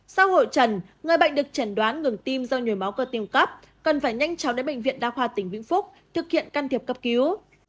sau hội trần người bệnh được chẩn đoán ngừng tim do nhồi máu cơ tim cấp cần phải nhanh chóng đến bệnh viện đa khoa tỉnh vĩnh phúc thực hiện can thiệp cấp cứu